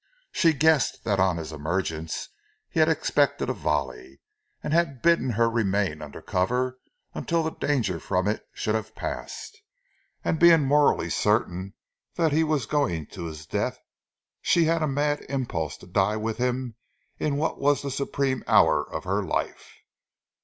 She guessed that on his emergence he expected a volley, and had bidden her remain under cover until the danger from it should have passed; and being morally certain that he was going to his death, she had a mad impulse to die with him in what was the supreme hour of her life.